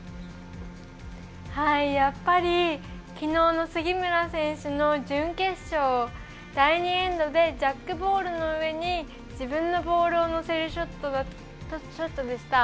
やっぱり、きのうの杉村選手の準決勝、第２エンドでジャックボールの上に自分のボールを乗せるショットでした。